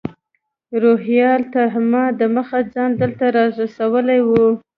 روهیال تر ما دمخه ځان دلته رارسولی و.